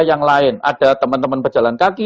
yang lain ada teman teman berjalan kaki